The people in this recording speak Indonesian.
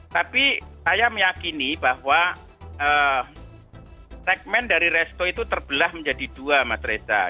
tapi saya meyakini bahwa segmen dari resto itu terbelah menjadi dua mas reza